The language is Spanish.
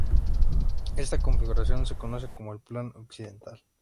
Esta configuración se conoce como el "Plan Occidental".